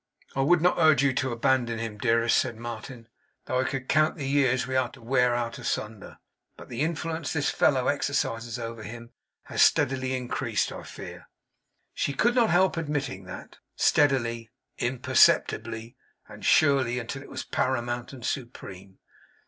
'I would not urge you to abandon him, dearest,' said Martin, 'though I could count the years we are to wear out asunder. But the influence this fellow exercises over him has steadily increased, I fear.' She could not help admitting that. Steadily, imperceptibly, and surely, until it was paramount and supreme.